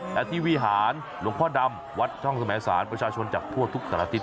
และที่วิหารหลวงพ่อดำวัดช่องสมสารประชาชนจากทั่วทุกสารอาทิตย